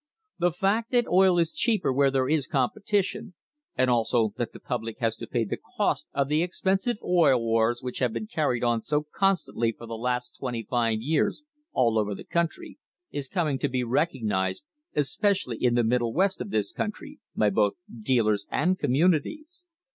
The fact that oil is cheaper where there is competition, and also that the public has to pay the cost of the expensive "Oil Wars" which have been carried on so constantly for the last twenty five years all over the country, is coming to be rec ognised, especially in the Middle West of this country, by both dealers and communities.